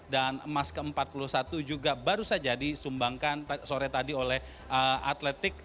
dan emas ke empat puluh satu juga baru saja disumbangkan sore tadi oleh atletik